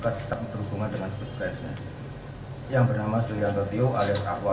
tergugat yang bernama julianto tio alias ahwa